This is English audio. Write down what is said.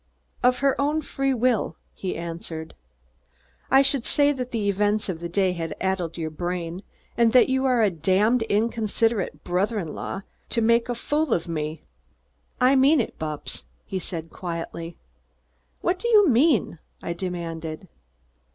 "Of her own free will," he answered. "I should say that the events of the day had addled your brain and that you are a damned inconsiderate brother in law to try to make a fool of me." "I mean it, Bupps," he said quietly. "What do you mean?" I demanded.